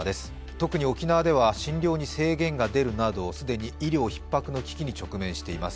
特に沖縄では診療に制限が出るなど既に医療ひっ迫の危機に直面しています。